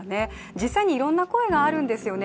実際にいろんな声があるんですよね。